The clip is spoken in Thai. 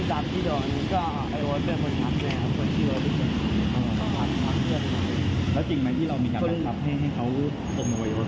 อันนี้ผมไม่ตามว่าเหรอ